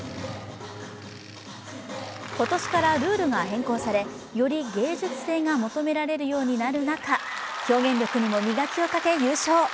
今年からルールが変更され、より芸術性が求められるようになる中、表現力にも磨きをかけ優勝。